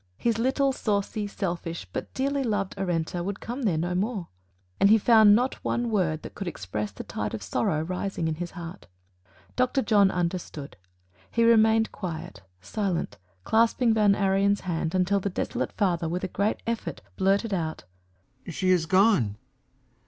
His little saucy, selfish, but dearly loved Arenta would come there no more; and he found not one word that could express the tide of sorrow rising in his heart. Doctor John understood. He remained quiet, silent, clasping Van Ariens' hand until the desolate father with a great effort blurted out "She is gone!